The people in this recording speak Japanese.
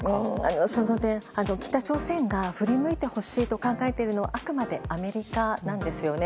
その点、北朝鮮が振り向いてほしいと考えているのはあくまでアメリカなんですよね。